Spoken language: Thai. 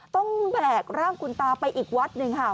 ต้องแบกร่างคุณตาไปอีกวัดหนึ่งค่ะ